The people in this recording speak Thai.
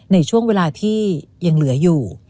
ในช่วงเวลาที่ยังเหลืออยู่